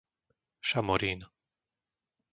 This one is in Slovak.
Šamorín